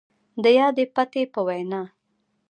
د يادې پتې په وينا،